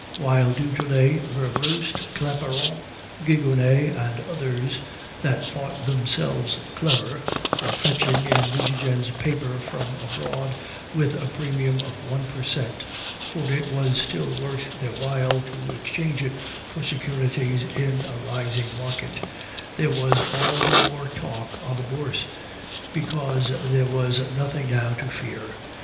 "While du Tillet, Werbrust, Claparon, Gigonnet, and others that thought themselves clever were fetching in Nucingen's paper from abroad with a premium of one per cent for it was still worth their while to exchange it for securities in a rising market there was all the more talk on the Bourse, because there was nothing now to fear.